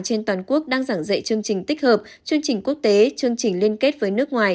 trên toàn quốc đang giảng dạy chương trình tích hợp chương trình quốc tế chương trình liên kết với nước ngoài